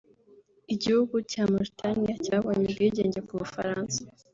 Igihugu cya Mauritania cyabonye ubwigenge ku bufaransa